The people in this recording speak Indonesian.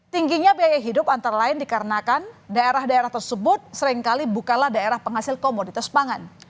tingginya biaya hidup antara lain dikarenakan daerah daerah tersebut seringkali bukanlah daerah penghasil komoditas pangan